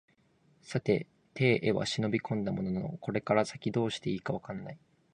さて邸へは忍び込んだもののこれから先どうして善いか分からない